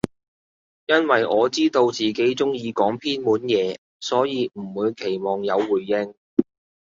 因爲我知道自己中意講偏門嘢，所以唔會期望有回應